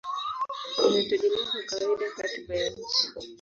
inategemea kwa kawaida katiba ya nchi.